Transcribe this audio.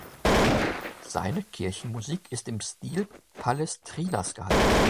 Seine Kirchenmusik ist im Stil Palestrinas gehalten.